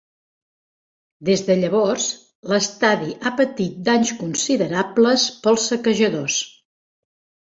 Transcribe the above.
Des de llavors, l'estadi ha patit danys considerables pels saquejadors.